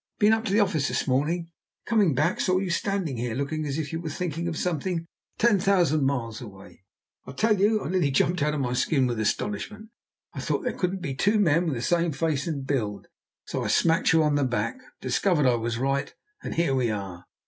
Been up to the office this morning, coming back saw you standing here looking as if you were thinking of something ten thousand miles away. I tell you I nearly jumped out of my skin with astonishment, thought there couldn't be two men with the same face and build, so smacked you on the back, discovered I was right, and here we are.